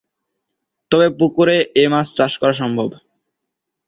তবে পুকুরে এ মাছ চাষ করা সম্ভব।